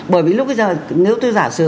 bởi vì lúc bây giờ nếu tôi giả sử